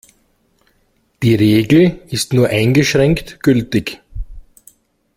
Die Regel ist nur eingeschränkt gültig.